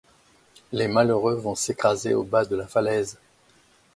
Les malheureux vont s’écraser au bas de la falaise.